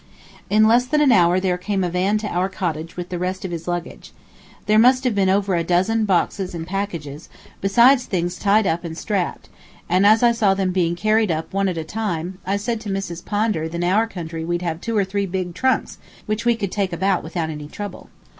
In less than an hour there came a van to our cottage with the rest of his luggage. There must have been over a dozen boxes and packages, besides things tied up and strapped; and as I saw them being carried up one at a time, I said to Miss Pondar that in our country we'd have two or three big trunks, which we could take about without any trouble.